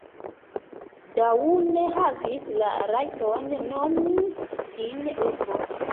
Daun havis la rajton nomi sin urbo.